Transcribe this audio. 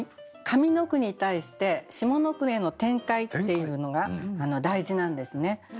上の句に対して下の句への展開っていうのが大事なんですね。